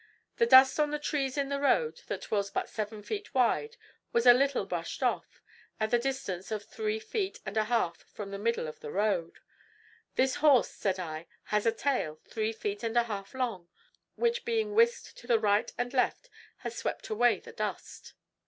The dust on the trees in the road that was but seven feet wide was a little brushed off, at the distance of three feet and a half from the middle of the road. This horse, said I, has a tail three feet and a half long, which being whisked to the right and left, has swept away the dust.